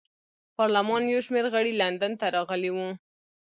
پارلمان یو شمېر غړي لندن ته راغلي وو.